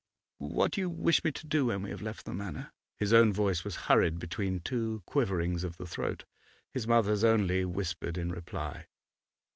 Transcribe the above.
'What do you wish me to do when we have left the Manor?' His own voice was hurried between two quiverings of the throat; his mother's only whispered in reply.